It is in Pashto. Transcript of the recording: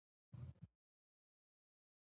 دومره د اندېښنې وړ ناروغي نه ده.